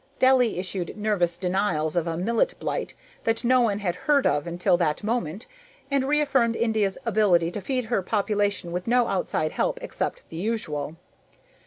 Delhi issued nervous denials of a millet blight that no one had heard of until that moment and reaffirmed India's ability to feed her population with no outside help except the usual.